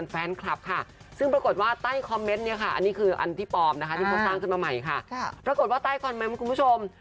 ปรากฏว่าใต้ก่อนใหม่คุณผู้ชม